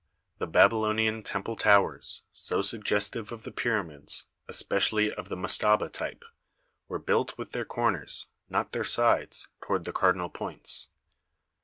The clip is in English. The Babylo nian temple towers, so suggestive of the pyramids, especially of the mastaba type, were built with their corners, not their sides, toward the cardinal points.